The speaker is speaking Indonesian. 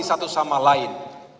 satu sama lain